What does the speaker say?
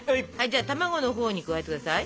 じゃあ卵のほうに加えて下さい。